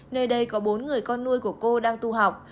nơi đây có bốn người con nuôi của cô đang tu học